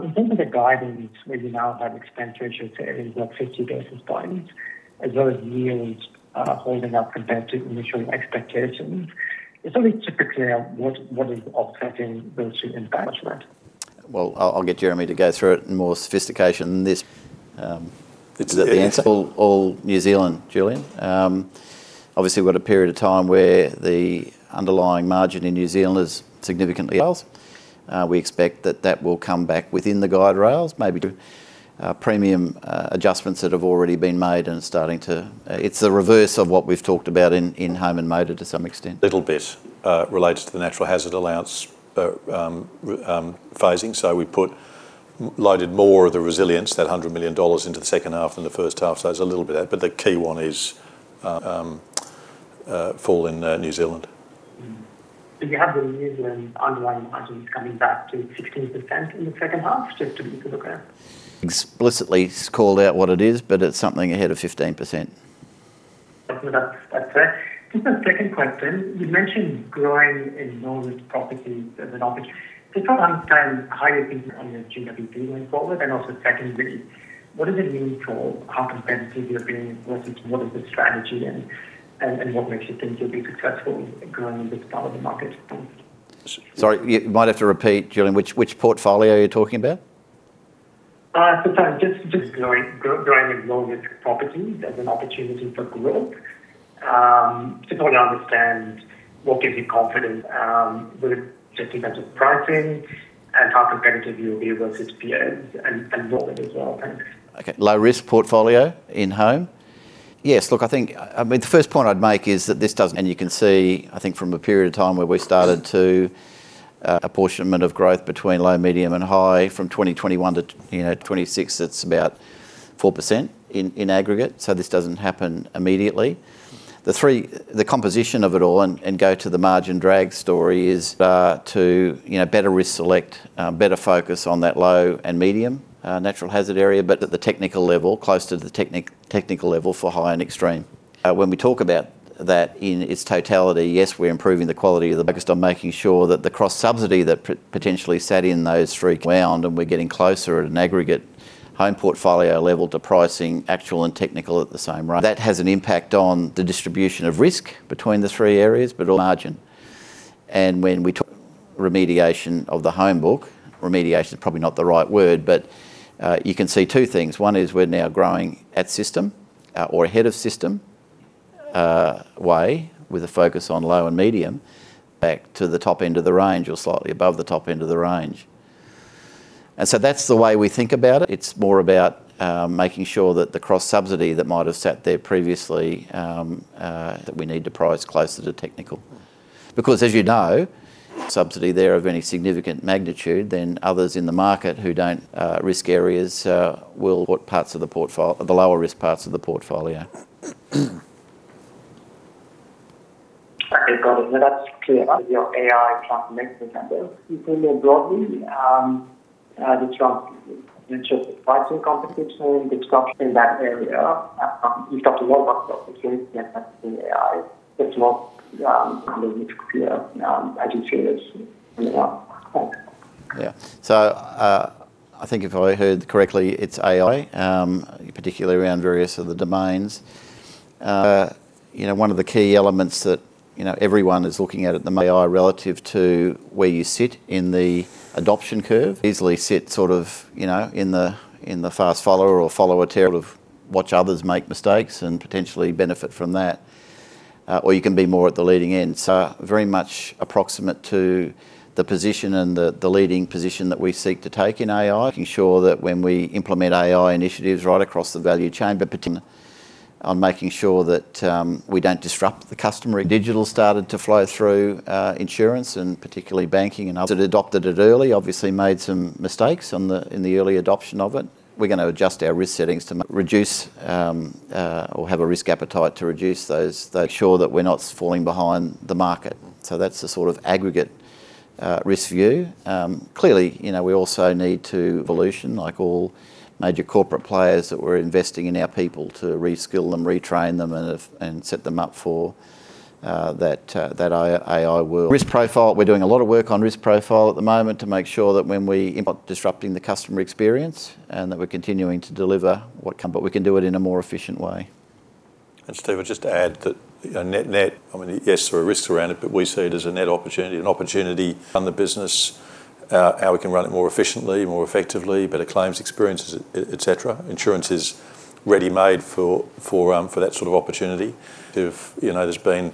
in terms of the guidance, where you now have expenditure to is like 50 basis points, as those yields are holding up compared to initial expectations. Is something typically what is offsetting those two in management? Well, I'll get Jeremy to go through it in more sophistication than this. Is that the answer? All, all New Zealand, Julian. Obviously, we've got a period of time where the underlying margin in New Zealand is significantly. We expect that that will come back within the guide rails, maybe to premium adjustments that have already been made and starting to—It's the reverse of what we've talked about in home and motor to some extent. A little bit relates to the natural hazard allowance phasing. So we put loaded more of the resilience, that 100 million dollars, into the second half than the first half, so there's a little bit of that, but the key one is fall in New Zealand. Mm-hmm. So you have the New Zealand underlying margins coming back to 16% in the second half, just to be clear? Explicitly call out what it is, but it's something ahead of 15%. That's right. Just a second question. You mentioned growing in low-risk properties as an option. Just want to understand how you're thinking on your GWP going forward, and also secondly, what does it mean for how competitive you're being versus what is the strategy and what makes you think you'll be successful in growing this part of the market? Thanks. Sorry, you might have to repeat, Julian, which portfolio are you talking about? So sorry, just growing in low-risk properties as an opportunity for growth. Just want to understand what gives you confidence with just in terms of pricing and how competitive you'll be versus peers, and growth as well. Thanks. Okay, low-risk portfolio in home? Yes. Look, I think, I mean, the first point I'd make is that this does. And you can see, I think from a period of time where we started to, apportionment of growth between low, medium, and high from 2021 to, you know, 2026, that's about 4% in aggregate, so this doesn't happen immediately. The composition of it all and go to the margin drag story is, to, you know, better risk select, better focus on that low and medium, natural hazard area, but at the technical level, close to the technical level for high and extreme. When we talk about that in its totality, yes, we're improving the quality of the focused on making sure that the cross-subsidy that potentially sat in those three grounds, and we're getting closer at an aggregate home portfolio level to pricing actual and technical at the same rate. That has an impact on the distribution of risk between the three areas, but a margin. And when we talk remediation of the home book, remediation is probably not the right word, but you can see two things. One is we're now growing at system or ahead of system way, with a focus on low and medium back to the top end of the range or slightly above the top end of the range. And so that's the way we think about it. It's more about making sure that the cross-subsidy that might have sat there previously that we need to price closer to technical. Because as you know, subsidy there of any significant magnitude than others in the market who don't risk areas will—What parts of the portfolio—the lower-risk parts of the portfolio. Okay, got it. So that's clear. Your AI transformation agenda more broadly, the transformation and insurance pricing competition, the structure in that area. You talked a lot about proprietary in AI. It's not clear as you see this. Yeah. Thanks. Yeah. So, I think if I heard correctly, it's AI, particularly around various of the domains. You know, one of the key elements that everyone is looking at the AI relative to where you sit in the adoption curve. Easily sit sort of in the fast follower or follower tail of watch others make mistakes and potentially benefit from that, or you can be more at the leading end. So very much approximate to the position and the leading position that we seek to take in AI. Making sure that when we implement AI initiatives right across the value chain, but on making sure that we don't disrupt the customer. Digital started to flow through insurance and particularly banking and others. Those that adopted it early obviously made some mistakes on the, in the early adoption of it. We're gonna adjust our risk settings to reduce, or have a risk appetite to reduce those. Ensure that we're not falling behind the market. So that's the sort of aggregate risk view. Clearly, you know, we also need to evolution, like all major corporate players, that we're investing in our people to reskill them, retrain them, and set them up for that AI world. Risk profile, we're doing a lot of work on risk profile at the moment to make sure that when we implement disrupting the customer experience, and that we're continuing to deliver what come, but we can do it in a more efficient way. And Stephen, just to add that, you know, net, net, I mean, yes, there are risks around it, but we see it as a net opportunity, an opportunity on the business, how we can run it more efficiently, more effectively, better claims experiences, et cetera. Insurance is ready-made for that sort of opportunity. If, you know, there's been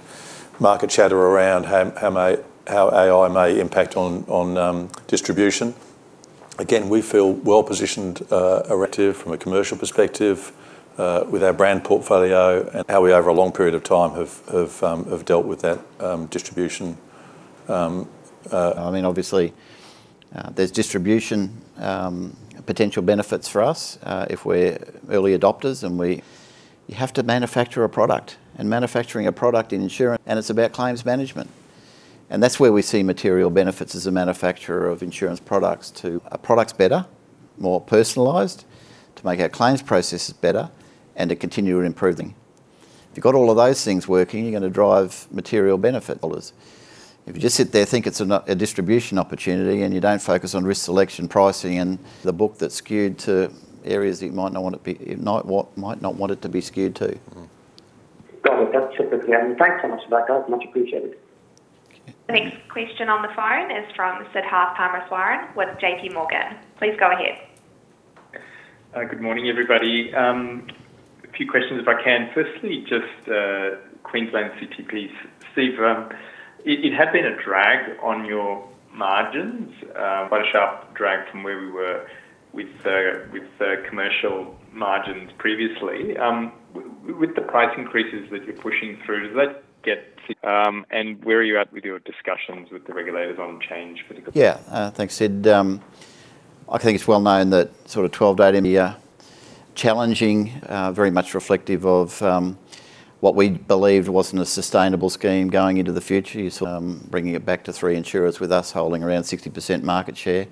market chatter around how AI may impact on distribution, again, we feel well positioned from a commercial perspective with our brand portfolio and how we, over a long period of time, have dealt with that distribution. I mean, obviously, there's distribution potential benefits for us if we're early adopters and we—you have to manufacture a product, and manufacturing a product in insurance, and it's about claims management, and that's where we see material benefits as a manufacturer of insurance products to make our products better, more personalized, to make our claims processes better, and to continue improving. If you've got all of those things working, you're gonna drive material benefit dollars. If you just sit there and think it's a no- a distribution opportunity, and you don't focus on risk selection, pricing, and the book that's skewed to areas that you might not want it be, might want, might not want it to be skewed to. Mm-hmm. Got it. That's perfectly. Thanks so much for that. Much appreciated. Next question on the phone is from Siddharth Parameswaran with JPMorgan. Please go ahead. Good morning, everybody. A few questions, if I can. Firstly, just Queensland CTPs. Steve, it had been a drag on your margins, quite a sharp drag from where we were with the commercial margins previously. With the price increases that you're pushing through, does that get and where are you at with your discussions with the regulators on change for the? Yeah. Thanks, Sid. I think it's well known that sort of 12 to 18 year, challenging, very much reflective of, what we believed wasn't a sustainable scheme going into the future. You saw, bringing it back to three insurers, with us holding around 60% market share.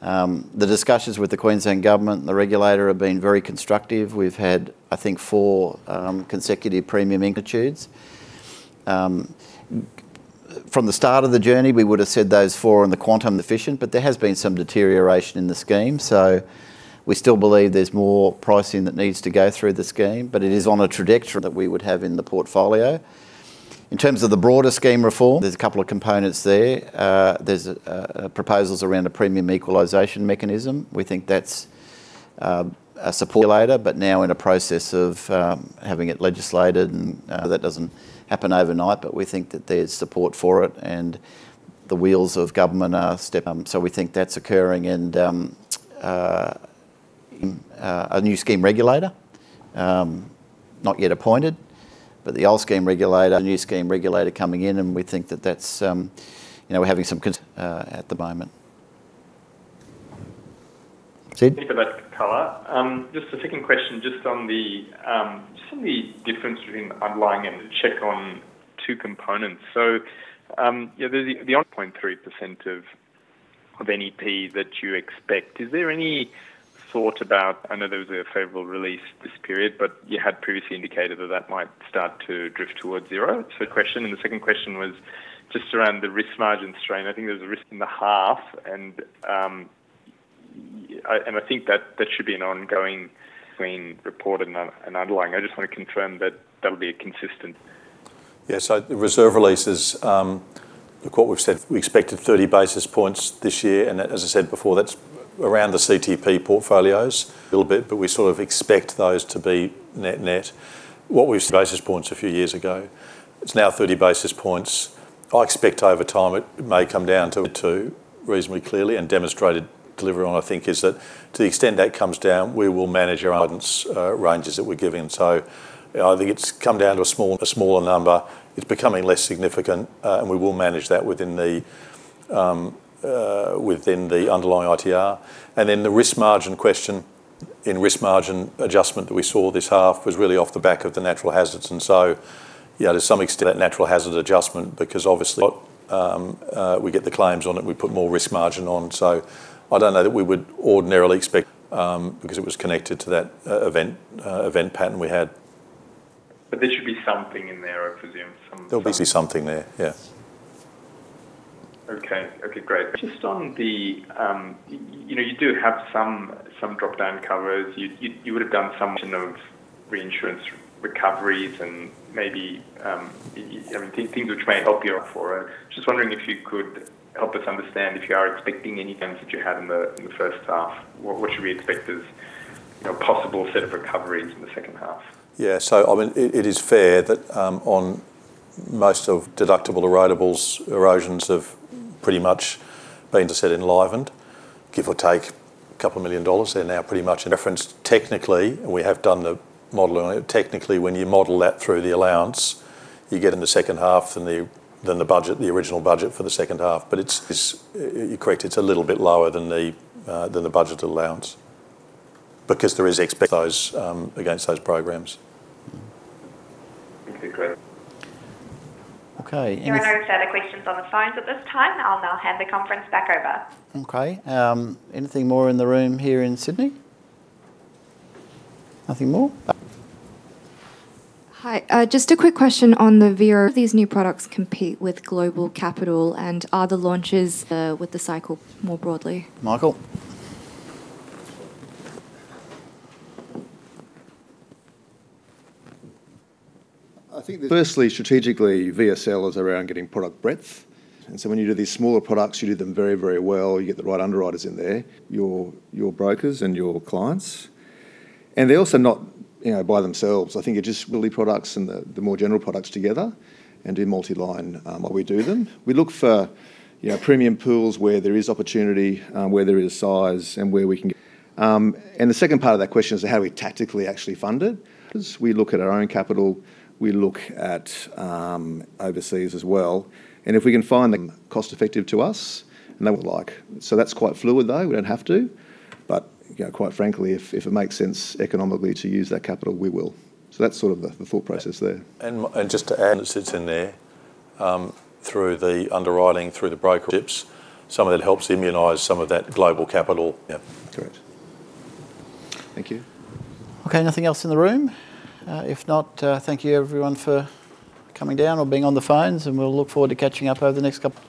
The discussions with the Queensland government and the regulator have been very constructive. We've had, I think, four consecutive premium magnitudes. From the start of the journey, we would have said those four in the quantum efficient, but there has been some deterioration in the scheme. So we still believe there's more pricing that needs to go through the scheme, but it is on a trajectory that we would have in the portfolio. In terms of the broader scheme reform, there's a couple of components there. There's proposals around a premium equalization mechanism. We think that's a support later, but now in a process of having it legislated, and that doesn't happen overnight, but we think that there's support for it, and the wheels of government are so we think that's occurring and a new scheme regulator not yet appointed, but the old scheme regulator, a new scheme regulator coming in, and we think that that's you know, we're having some at the moment. Sid? Thanks for that color. Just the second question, just on the, just on the difference between underlying and cat on two components. So, yeah, the, the 0.3% of NPAT that you expect, is there any thought about- I know there was a favorable release this period, but you had previously indicated that that might start to drift towards zero? So question, and the second question was just around the risk margin strain. I think there's a risk in the half, and, I, and I think that that should be an ongoing between reported and underlying. I just want to confirm that that would be consistent. Yeah, so the reserve releases, look what we've said, we expected 30 basis points this year, and as I said before, that's around the CTP portfolios a little bit, but we sort of expect those to be net-net. What we've basis points a few years ago, it's now 30 basis points. I expect over time it may come down to 2 reasonably clearly and demonstrated delivery on, I think, is that to the extent that comes down, we will manage our guidance ranges that we're giving. So I think it's come down to a small, a smaller number. It's becoming less significant, and we will manage that within the underlying ITR. And then the risk margin question in risk margin adjustment that we saw this half was really off the back of the natural hazards, and so, you know, to some extent, that natural hazard adjustment, because obviously, we get the claims on it, we put more risk margin on. So I don't know that we would ordinarily expect, because it was connected to that event pattern we had. But there should be something in there, I presume, some- There'll be something there, yeah. Okay. Okay, great. Just on the, you know, you do have some, some drop-down covers. You, you would have done some of reinsurance recoveries and maybe, things which may help you for it. Just wondering if you could help us understand if you are expecting any claims that you had in the, in the first half, what, what should we expect as, you know, possible set of recoveries in the second half? Yeah, I mean, it is fair that, on most of deductible erodables, erosions have pretty much been to said enlivened, give or take a couple million dollars, they're now pretty much in reference. Technically, we have done the modeling on it. Technically, when you model that through the allowance, you get in the second half than the, than the budget, the original budget for the second half, but it's—you're correct, it's a little bit lower than the, than the budget allowance because there is expect those, against those programs. Okay, great. Okay, and— There are no further questions on the phones at this time. I'll now hand the conference back over. Okay, anything more in the room here in Sydney? Nothing more. Hi, just a quick question on the Vero. Do these new products compete with global capital, and are the launches with the cycle more broadly? Michael? I think firstly, strategically, VSL is around getting product breadth. And so when you do these smaller products, you do them very, very well, you get the right underwriters in there, your brokers and your clients. And they're also not, you know, by themselves. I think it just will be products and the more general products together and do multi-line while we do them. We look for, you know, premium pools where there is opportunity, where there is size, and where we can get. And the second part of that question is how we tactically actually fund it. 'Cause we look at our own capital, we look at overseas as well, and if we can find them cost-effective to us, and they would like. So that's quite fluid, though. We don't have to, but, you know, quite frankly, if it makes sense economically to use that capital, we will. So that's sort of the full process there. Just to add, it sits in there through the underwriting, through the broker tips. Some of that helps immunize some of that global capital. Yeah, correct. Thank you. Okay, anything else in the room? If not, thank you, everyone, for coming down or being on the phones, and we'll look forward to catching up over the next couple—